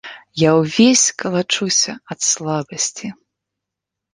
Я ўвесь калачуся ад слабасці.